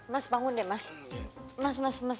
mas bangun deh mas